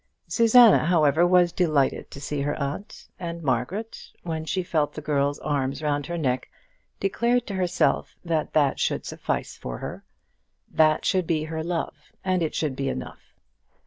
Susanna, however, was delighted to see her aunt, and Margaret, when she felt the girl's arms round her neck, declared to herself that that should suffice for her, that should be her love, and it should be enough.